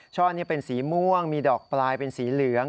เป็นสีม่วงมีดอกปลายเป็นสีเหลือง